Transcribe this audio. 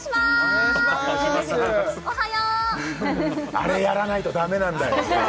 あれやらないと駄目なんだよ